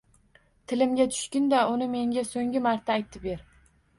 Tilimga tushgin-da uni menga so’nggi marta aytib ber